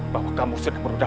bahwa kamu sudah berudah